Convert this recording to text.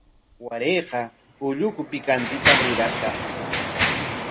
Warayqa ulluku pikantitam rurashaq.